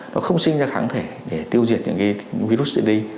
nó không sinh ra kháng thể để tiêu diệt những virus dễ đi